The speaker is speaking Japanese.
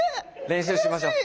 練習しましょう。